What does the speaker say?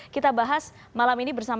kita bahas malam ini bersama